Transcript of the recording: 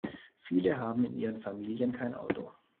Viele haben in ihren Familien kein Auto.